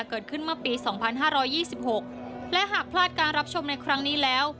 เกิดขึ้นเมื่อปี๒๕๒๖และหากพลาดการรับชมในครั้งนี้แล้ว